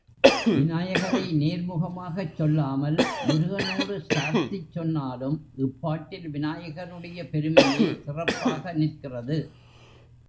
விநாயகரை நேர்முகமாகச் சொல்லாமல் முருகனோடு சார்த்திச் சொன்னாலும் இப்பாட்டில் விநாயகருடைய பெருமையே சிறப்பாக நிற்கிறது.